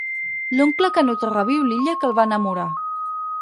L'oncle Canut reviu l'illa que el va enamorar.